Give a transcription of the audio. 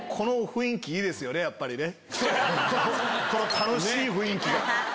楽しい雰囲気が。